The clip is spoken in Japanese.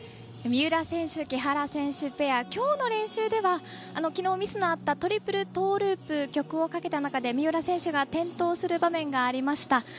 三浦選手、木原選手ペアきょうの練習ではきのう、ミスのあったトリプルトーループ曲をかけた中で三浦選手が転倒する場面がありました。